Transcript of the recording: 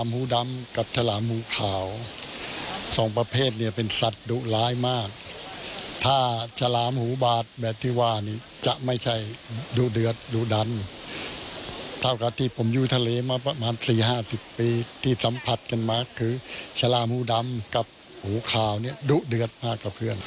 หูดำกับหูคาวดุเดือดมากครับเพื่อน